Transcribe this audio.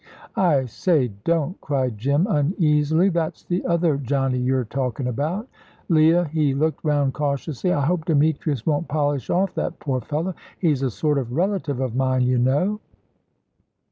"I say, don't," cried Jim uneasily; "that's the other Johnny you're talkin' about. Leah," he looked round cautiously, "I hope Demetrius won't polish off that poor fellow. He's a sort of relative of mine, y' know."